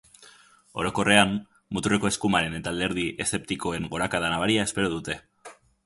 Orokorrean, muturreko eskumaren eta alderdi eszeptikoen gorakada nabaria espero dute.